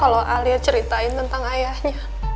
kalau alia ceritain tentang ayahnya